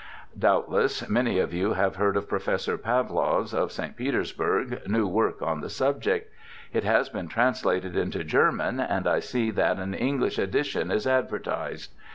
Doubt less many of you have heard of Professor Pawlow's, of St. Petersburg, new work on the subject. It has been translated into German, and I see that an English edition is advertised.